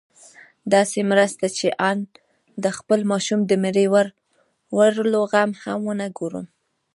داسې مرسته چې آن د خپل ماشوم د مړي وړلو غم هم ونه ګورم.